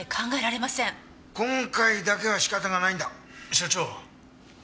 今回だけは仕方がないんだ。所長。